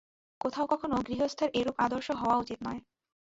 কোথাও কখনও গৃহস্থের এরূপ আদর্শ হওয়া উচিত নয়।